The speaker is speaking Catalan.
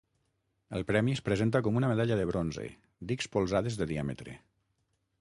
El premi es presenta com una medalla de bronze, d'ics polzades de diàmetre.